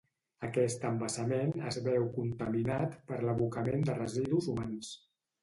Aquest embassament es veu contaminat per l'abocament de residus humans